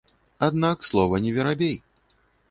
Аднак слова не верабей.